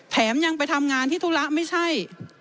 แถมยังไปทำงานที่ธุระไม่ใช่